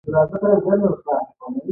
لږ خو پر ځای کار د زیاتې نتیجې سبب کېږي.